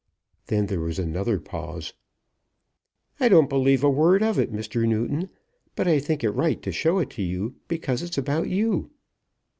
Then there was another pause. "I don't believe a word of it, Mr. Newton; but I think it right to show it to you, because it's about you."